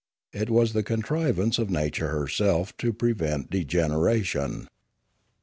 It was the contrivance of nature herself to prevent degeneration.